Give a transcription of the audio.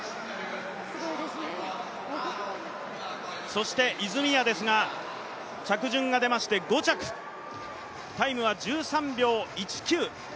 そして泉谷ですが、着順が出まして５着、タイムは１３秒１９。